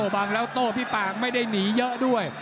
บังแล้วโต้พี่ปากไม่ได้หนีเยอะด้วย